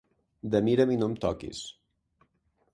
De mira'm i no em toquis.